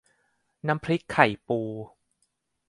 น้ำพริกไข่ปู